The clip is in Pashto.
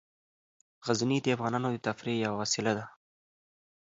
غزني د افغانانو د تفریح یوه وسیله ده.